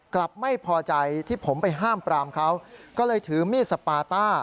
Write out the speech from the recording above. กลับไม่พอใจที่ผมไปห้ามปรามเขาก็เลยถือมีดสปาต้า